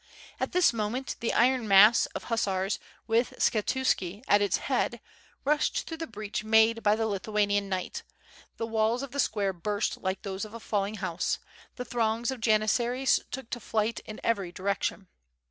At this moment the iron mass of hussars with Skshetuski at its head rushed through the breach made by the Lithu anian knight, the walls of the square burst like those of a falling house; the throngs of Janissaries took to flight in every direction.